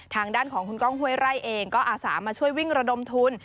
ทางด้านของคุณก้องห้วยไร่เองก็อาสามาช่วยวิ่งระดมทุน